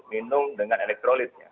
minum dengan elektrolisnya